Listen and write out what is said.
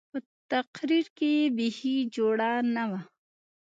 په تقرير کښې يې بيخي جوړه نه وه.